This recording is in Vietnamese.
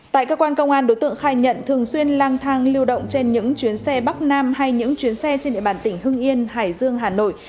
tại cơ quan công an đối tượng khai nhận thường xuyên lang thang lưu động trên những chuyến xe bắc nam hay những chuyến xe trên địa bàn tỉnh hưng yên hải dương hà nội